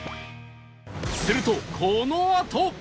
するとこのあと